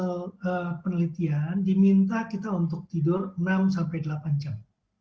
hasil penelitian diminta kita untuk tidur enam sampai delapan jam